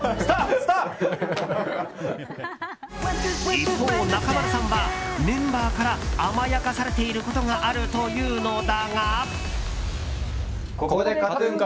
一方、中丸さんはメンバーから甘やかされていることがあるというのだが。